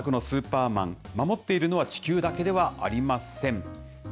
今作のスーパーマン、守っているのは地球だけではありません。